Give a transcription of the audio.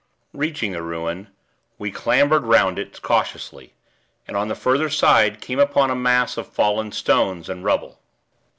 Reaching the ruin, we clambered 'round it cautiously, and, on the further side, came upon a mass of fallen stones and rubble.